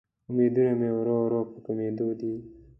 امیدونه مې ورو ورو په کمیدو دې